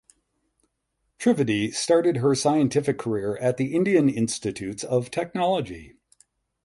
Trivedi started her scientific career at the Indian Institutes of Technology.